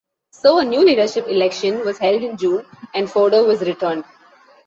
So a new leadership election was held in June and Fodor was returned.